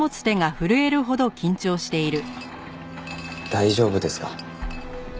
大丈夫ですか？